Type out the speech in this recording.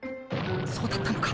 そうだったのか。